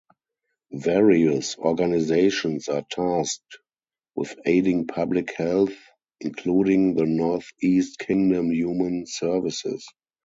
Various organizations are tasked with aiding public health including the Northeast Kingdom Human Services.